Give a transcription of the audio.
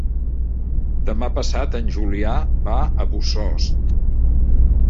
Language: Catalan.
Demà passat en Julià va a Bossòst.